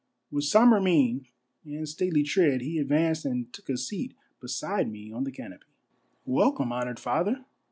With sombre mien and stately tread he advanced and took a seat beside me on the canopy. " Welcome, honored father